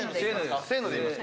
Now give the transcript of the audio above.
せーので。